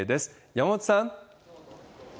山本さん。